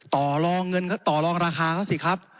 ต่อรองราคาเขาสิครับ